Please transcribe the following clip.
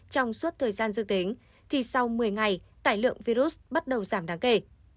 trong suốt thời gian dương tính thì sau một mươi ngày tải lượng virus bắt đầu giảm đáng kể